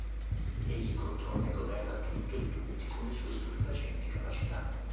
Egli controlla e governa tutto e tutti con le sue stupefacenti capacità.